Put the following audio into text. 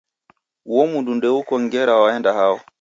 Uo mundu ndeuko ngera waenda hao